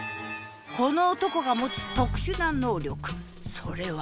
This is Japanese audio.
この男が持つ特殊な「能力」それは。